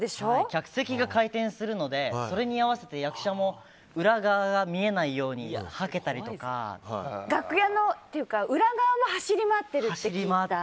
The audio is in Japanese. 客席が回転するのでそれに合わせて役者も裏側が見えないように楽屋のというか裏側を走り回ってるって聞いた。